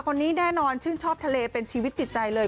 คนนี้แน่นอนชื่นชอบทะเลเป็นชีวิตจิตใจเลย